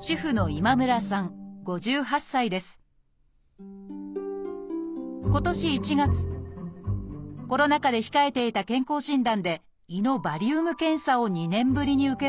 主婦の今年１月コロナ禍で控えていた健康診断で胃のバリウム検査を２年ぶりに受けました。